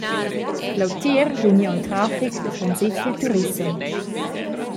Leutier vegni aunc traffic da transit dil turissem.